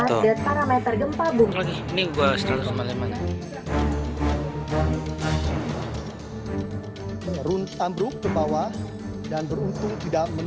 ini mas guys coba di tujuan